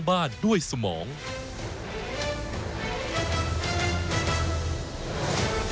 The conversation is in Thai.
ชูวิทธ์ตีแสกหน้า